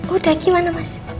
udah kiki mana mas